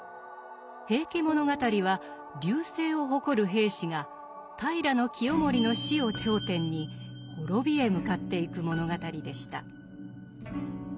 「平家物語」は隆盛を誇る平氏が平清盛の死を頂点に滅びへ向かっていく物語でした。